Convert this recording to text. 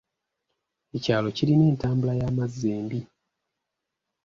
Ekyalo kirina entambula y'amazzi embi.